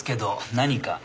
何か？